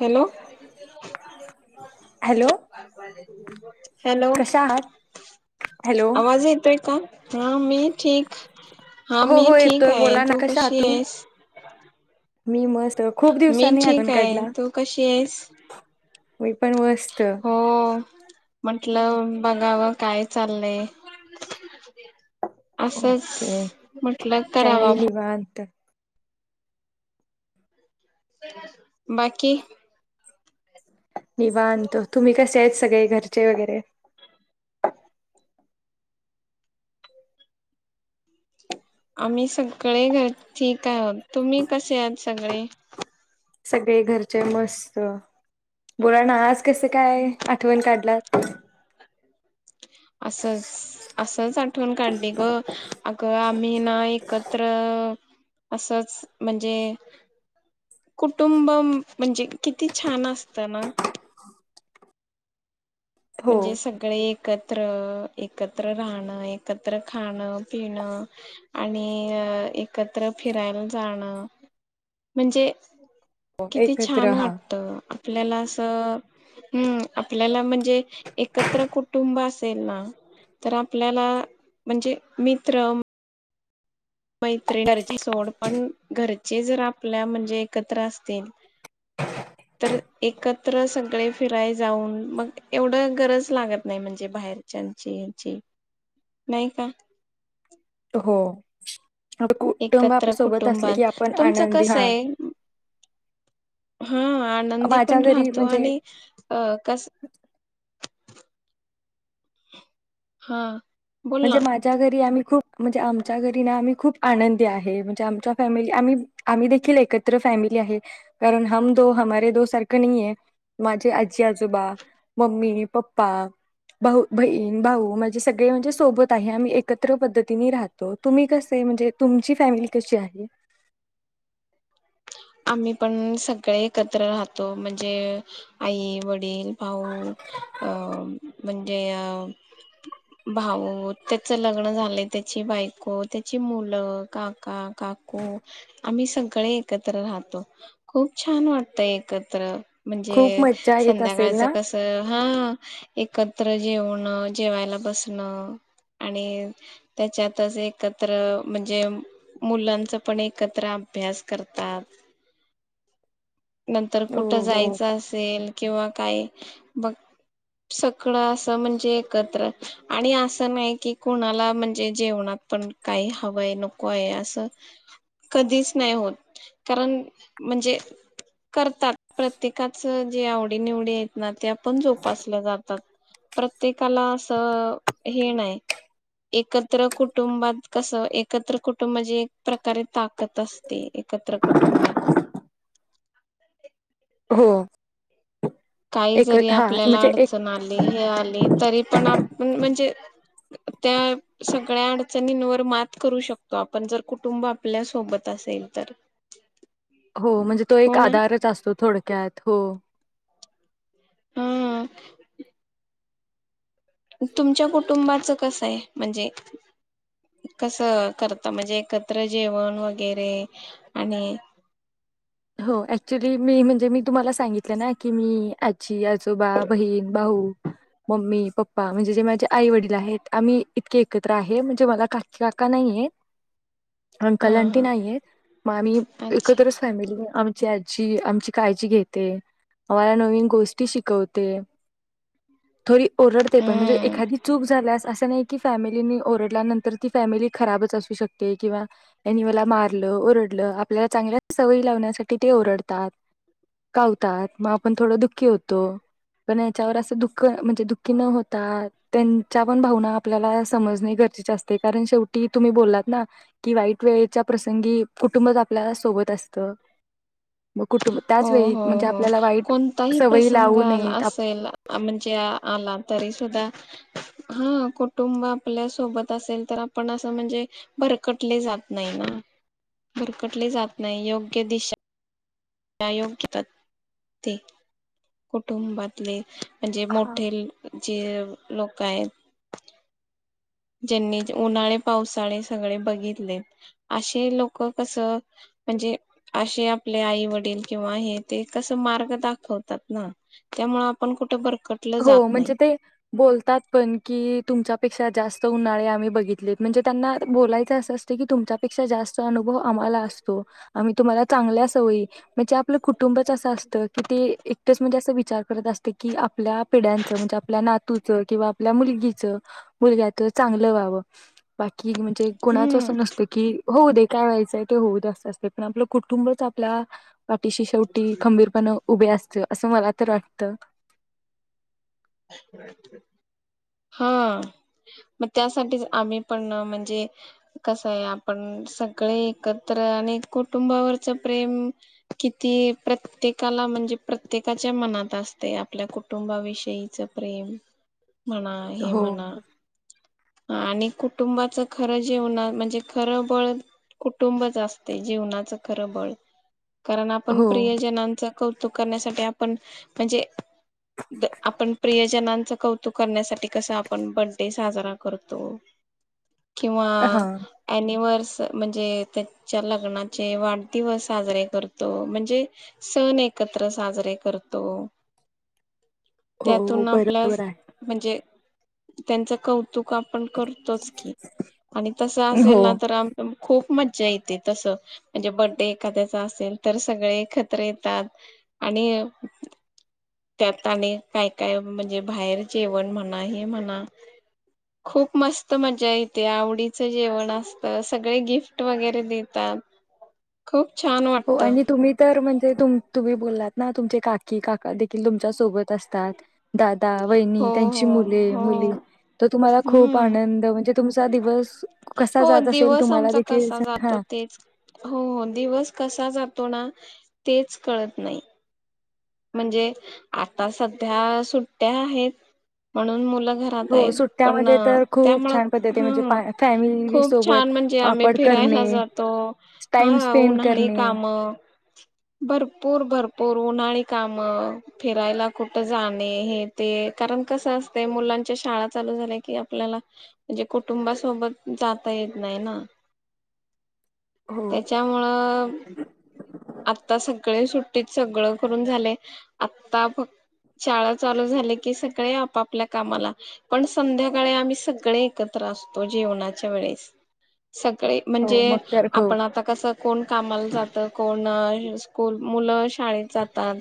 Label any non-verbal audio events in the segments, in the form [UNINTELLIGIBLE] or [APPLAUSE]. Hello hello hello कशा आहात hello आवाज येतोय? का ह हां मी ठीक हा हो मी हो ठीक येतोय आहे. बोला ना तू कशा आहात कशी तुम्ही आहेस? [INAUDIBLE] मी मस् मी ठीक हाय तू कशी हाइस. [UNINTELLIGIBLE] पण वस होओ म्हटलं. बघावं काय चाललंय असंच ओके म्हटलं काही नाही करावा फो - - निवांत बाकी निवांत तुम्ही कसे आहेत सगळे घरचे वगैरे आम्ही सगळे घर ठीक आहोत तुम्ही कसे हात सगळे? सगळे घरचे मस्त बोळाना आज कसं काय आठवण काढलात [UNINTELLIGIBLE] असचं असच आठवण काढली गं. अगं आम्ही ना एकत्र असच म्हणजे कुटुंब म्हणजे किती छान असत ना. हो म्हणजे सगळे एकत एकत्र राहणं एकत्र खाणं पिणं आणि एकत्र फिरायला जाणं म्हणजे हो किती एकत्र छान हा वाटत आपल्याला अस अं उं आपल्याला म्हणजे एकत्र कुटुंब तेच ना तर आपल्याला म्हणजे मित्र मैत्री करायची सोड पण घरचे जर आपल्या म्हणजे एकत्र असतील तर एकत्र सगळे फिराय जाऊन मग एवढं गरज लागत नाही म्हणजे बाहेरच्याची यांची नाही का हो आपलं कुटुंब आपल्या एकत्र सोबत असले की कुटुंबात आपण तुमचं आनंदी कस हा ये हा आनंदी माझ्या पण घरी राहतो म्हणजे आणि अ कस हां म्हणजे माझ्या घरी आम्ही खूप म्हणजे आमच्या घरीना आम्ही खूप आनंदी आहे म्हणजे आमच्या फॅमिली आम्ही आम्ही देखील एकत्र फॅमिली आहे कारण हम दो हमारे दो सारखं नाही आहे माझे आजी आजोबा मम्मी पप्पा भाऊ बहीण भाऊ माझे सगळे म्हणजे सोबत आहे आम्ही एकत्र पद्धतीने राहतो तुम्ही कसे म्हणजे तुमची फॅमिली कशी आहे आम्ही पण सगळे एकत्र राहतो म्हणजे आई वडील भाऊ अं म्हणजे अं भाऊ त्येच लग्न झालय त्येची बायको त्ये ची मुलं काका काकू आम्ही सगळे एकत् एकत्र राहतो खूप छान वाटत एकत्र म्हणजे खूप मज्जा येत असेल संध्याकाळच ना कस हा एकत्र जेवण जेवायला बसणं आणि त्याच्यातच एकत्र म्हणजे मुलांच पण एकत्र अभ्यास करत ताप नंतर हो कुठं हो जायचं अस प्रेम किंवा काय बग सगळ अस म्हणजे एकत्रआणि असं नाही कि कोणाला म्हणजे जेवणात पण काही हवंय नको आहे असं कधीच नाही होत कारण म्हणजे करतात प्रत्येकाच जे आवडी निवडी आहेत ना ते आपण जोपासल्या जातात प्रत्येकाला असं हे नाही एकत्र कुटुंबात कसं एकत्र कुटुंबाचीे एक प्रकारे ताकद असते एकत्र कुटुंबात हो काही एक जरी हा आपल्याला म्हणजे एक अडचण आली हे आली तरी पण आपण म्हणजे त्या सगळ्या अडचणींवर मात करू शकतो आपण जर कुटुंब आपल्या सोबत असेल तर हो म्हणजे तो एक हो ना आधारच असतो थोडक्यात हो. हा तुमच्या कुटुंबाचं कसं आहे? म्हणजे कस करता म्हणजे एकत्र जेवण वगैरे आणि हो ऍक्च्युली मी म्हणजे मी तुम्हाला सांगितलं ना की मी आजी आजोबा बहीण भाऊ मम्मी पप्पा म्हणजे जे माझे आई वडील आहेत आम्ही इतके एकत्र आहे म्हणजे मला काकि काका नाहीयेत. हा अंकल-अंटी हा नाहीयेत मग आम्ही अच्छा एकत्रच फॅमिली म आमची आजी आमची काळजी घेते. आम्हाला नवीन गोष्टी शिकवते. थोडी ओरडते पण म्हणजे हम्म एखादी चूक झाल्यास असं नाही की फॅमिली त्यांनि ओरडल्यानंतर ती फॅमिली खराबच असू शकते किंवा त्यांनि मला मारल ओडलं आपल्याला चांगल्या सवयी लावण्यासाठी किती ओरडतात कावतात मग आपण थोडं दुःखी होतो पण याच्यावर असं दुःख म्हणजे दुःखी न होता त्यांच्या पण भावना आपल्याला समजणे गरजेचे असते कारण शेवटी तुम्ही बोललात ना की वाईट वेळेच्या प्रसंगी कुटुंबच आपल्याला सोबत असतं. मग कुटुंब हो त्याच वेळी हो म्हणजे हो आपल्याला वाईट कोणताही सवयी प्रसंग लावू आला नयेत आप- असेल म्हणजे आला तरी सुद्धा हा कुटुंब आपल्या सोबत असेल तर आपण असं म्हणजे भरकटले जात नाही ना भरकटले जात नाही योग्य योग्य दिशा योग घेतात ते कुटुंबातले म्हणजे हा मोठे जे लोक काय ज्यांनी उन्हाळे पावसाळे सगळे बघितलेत असे लोक कसं म्हणजे असे आपले आई- वडील किंवा हे ते कसं मार्ग दाखवतात ना त्यामुळे आपण कुठे बर हो म्हणजे ते बोलतात पण की तुमच्या पेक्षा जास्त उन्हाळे आम्ही बघितलेत म्हणजे त्यांना बोलायच अस असत कि तुमच्यापेक्षा जास्त अनुभव आम्हाला असतो. आम्ही तुम्हाला चांगल्या सवयी म्हणजे आपलं कुटु कुटुंबच असं असतं कि ते ए तेच म्हणजे अस विचार करत असते की आपल्या पिढ्यांच म्हणजे आपल्या नातूच किंवा आपल्या मुलगीच, मुलग्याच चांगलं व्हावं बा कि म्हणजे कुणाच हम्म असं नसतं की होऊ दे काय व्हायचंय ते होऊ दे असं असतय पण आपलं कुटुंबच आपल्या पाठीशी शेवटी खंबीरपणा उभे असते असं मला तर वाट त हा मग त्यासाठीच आम्ही पण म्हणजे कसं आहे आपण सगळे एकत्र आणि कुटुंबावरच प्रेम किती प्रत्येकाला म्हणजे प्रत्येकाच्या मनात असते आपल्या कुटुंबाविषयी च प्रेम मणा हो हेमणा आणि कुटुंबाचं खरं जीवना म्हणजे खरं बळ कुटुंबच असते जीवनाचं खरं बळ. कारण आपण हो, प्रियजनांचं कौतुक करण्यासाठी आपण म्हणजे आपण प्रियजनांच कौतुक करण्यासाठी कसं आपण बर्डे साजरा क करतो. किंवा हां. ॲनिवर्स म्हणजे त्याच्या लग्नाचे वाढदिवस साजरे करतो. म्हणजे सण एकत्र साजरे करतो. हो, हो. त्यातुन बरोबर आपल्यास आहे. म्हणजे त्यांच कौऊ चूक आपण करतोच की आणि तस हो, असेल ना तर आपण खूप मज्जा येते तसं म्हणजे बड्डे एखाद्याचा असेल तर सगळे एकत्र येतात आणि त्यात आणि काय काय म्हणजे बाहेर जेवण म्हणा हे म्हणा. खूप मस्त मज्जा येते आवडीचं जेवण असतं सगळे गिफ्ट वगैरे देतात खूप छान हो वाटतं आणि तुम्ही तर म्हं ते तुम् तुम्ही बोललात ना तुमचे काकी काका देखील तुमच्या सोबत असतात. दादा, वहिनी हो त्यांची हो मुले, हो मुली तर तुम्हाला खूप हम्म आनंद म्हणजे तुमचा दिवस कसा हो जात असेल दिवस तुम्हाला आमचा देखील कसा जातो हां. तेच हो हो दिवस क् कसा जातो ना तेच कळत नाही. म्हणजे आता सध्या सुट्ट्या आहेत म्हणून मुलं घरात हो, आहेत पण अ सुट्ट्यामध्ये तर खूप त्यामुळं छान पद्धती म्हणजे हं पा फॅमिली खूप सोबत छान म्हणजे आम्ही वापड फिरायला करणे, जातो, टाइम हां स्पेंड उन्हाळी करणे. काम भरपूर भरपूर ऊन उन्हाळी काम, फिरायला कुठं जाणे हे ते कारण कसं असतंय मुलांच्या शाळा चालू झाल्या कि आपल्याला म्हणजे कुटुंबासोबत जाता येत नाही ना. हो, त्याच्यामुळं आता सगळे सुट् तेच सगळं करून झालय, आता फक शाळा चालू झाले की सगळे आपापल्या कामाला पण संध्याकाळी आम्ही सगळे एकत्र असतो जेवणाच्या वेळेस. सगळे हो. म्हंजे मग तर खूप आपण आता कसं कोण कामाला जात कोण अ् हम्म स्कूल मुलं शाळेत जात असतात्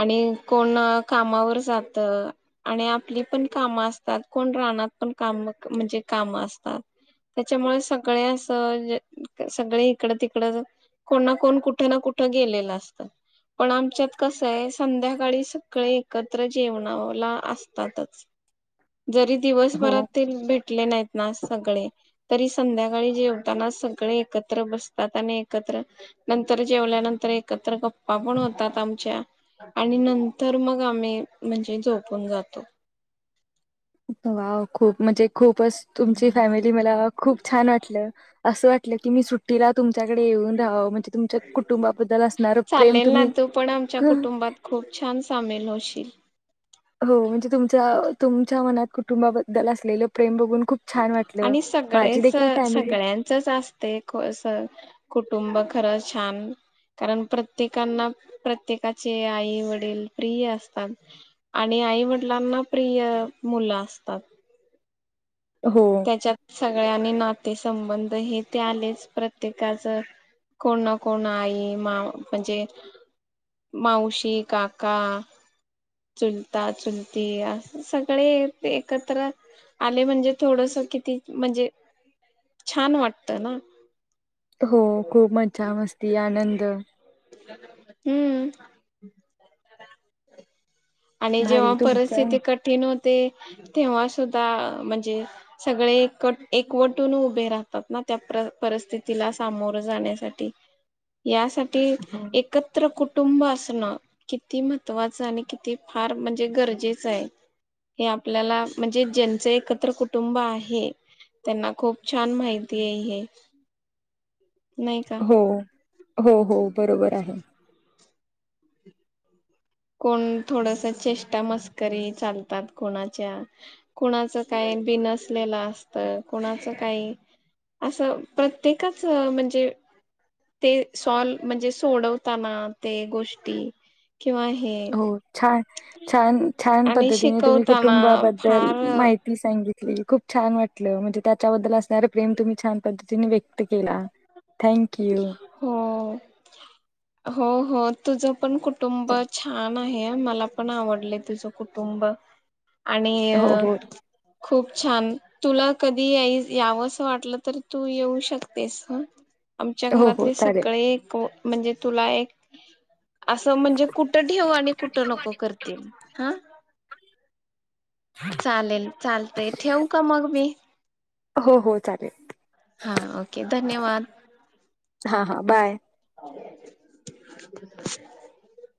आणि कोण कामावर जातं आणि आपली पण कामं असतात‌ कोण रानात पण काम म्हणजे काम असतात. त्याच्यामुळे सगळे असं सगळे इकडं तिकडं कोण ना कोण कुठे ना कुठं गेलेलं असत. पण आमच्यात कसं हाय संध्याकाळी सगळे एकत्र जेवणाला असतातच. जरी हो. दिवसभरात तेन भेटले नाहीत ना सगळे तरी संध्याकाळी जेवताना सगळे एकत्र बसतात आणि एकत्र नंतर जेवल्यानंतर एकत्र गप्पा पण हो् तात आमच्या आणि नंतर मग आम्ही म्हणजे झोपून जातो. वाव खूप म्हंजे खूपच तुमची फॅमिली मला खूप छान वाटलं. असं वाटलं की मी सुट्टीला तुमच्याकडे येऊन राहावं म्हणजे तुमच्या कुटुंबाबद्दल असणारं प्रेम चालेल ना, तुम्ही तू पण आमच्या क कुटुंबात खूप छान सामील होशील. हो म्हणजे तुमच्या तुमच्या मनात कुटुंबाबद्दल असलेलं प्रेम बघू् आणि सगळेच फॅमिली सगळ्यांचच असतयं को असं कुटुंब खरं छान कारण प्रत्येकांना प्रत्येकाचे आई वडील प्रिय असतात आणि आई वडिलांना प्रिय मुलं असतात‌. हो, त्याच्यात सगळ्यांनी ना ते संबंध हे ते आलेच. प्रत्येकाच कोण ना कोण आई माव म्हणजे मावशी, काका, चुलता, चुलती अस सगळे येत एकत्र आले म्हणजे थोडस किती म्हणजे छान वाटतं ना. हो खूप मज्जा, मस्ती, आनंद हम्म आणि जेव्हा भारी तुमच्या परस्थिती कठीण होत ते तेव्हा सुुद्धा म्हणजे सगळे एक एकवटून उभे राहतात ना त्या पर परिस्थितीला सामोरं जाण्यासाठी, यासाठी ते हो, एकत्र कुठ कुटुंब असणं किती महत्वाचं आणि किती फार म्हणजे गरजेचं आहे, हे आपल्याला म्हणजे ज्यांच एकत्र कु कुटुंब आहे, त्यांना खूप छान माहिती आहे हे. नाही का? हो, हो हो. बरोबर आहे. कोण थोडस चेष्टा मस्करी चालतात, कोणाच्या कोणाच काही बिनसलेलं असत, कोणाचं काही असं प्रत्येकाच म्हणजे ते सॉल् म्हणजे सोडवताना ते गोष्टी किंवा हे हो छान. छान-छान आणि पद्धतीने तुम्ही शिकवताना कुटुंबाबद्दल फार माहिती सांग [UNINTELLIGIBLE] खूप छान वाटलं म्हणजे त्याच्याबद्दल असणारं प्रेम तुम्ही छान पद्धतीने व्यक्त केला. थँक यू हो. हो हो तुझं. पण कुटुंब छान म हे मला पण आवडले तुझं कुटुंब. आणि हो हो खूप छान तुला कधी यावं असं वाटलं तर तू येऊ शकतेस हं. आमच्या हो हो घरातले चालेल सगळे एकव म्हणजे तुला एक असं म्हणजे कुठं ठेऊ आणि कुठं नको करतील हां. चालेल चालतंय ठेवू का मग मी? हो हो चालेल. हां ओके धन्यवाद. हां हां बाय. [INAUDIBLE]